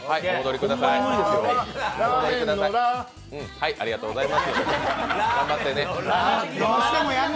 はい、ありがとうございます頑張ってね。